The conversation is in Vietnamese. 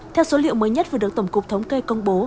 theo số liệu mới nhất vừa được tổng cục thống kê công bố